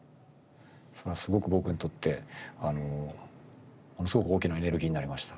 それはすごく僕にとってものすごく大きなエネルギーになりました。